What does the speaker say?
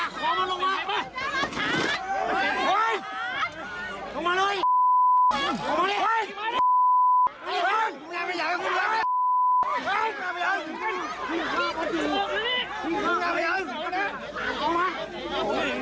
พอดูหน้าพวกไอ้เนรัสสันหน่อยพอดูหน้าแนรัสสันหน่อย